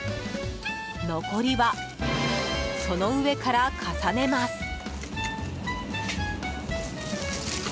残りは、その上から重ねます。